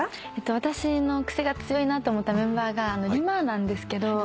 私のクセが強いなと思ったメンバーがＲＩＭＡなんですけど。